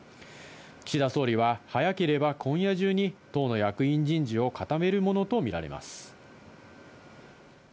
岸田総理は、早ければ今夜中に、党の役員人事を固めるものと見られます。